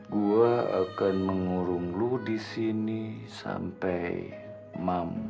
gue akan mengurung lu di sini sampai mamu